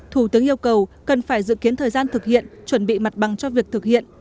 thủ tướng yêu cầu cần phải dự kiến thời gian thực hiện chuẩn bị mặt bằng cho việc thực hiện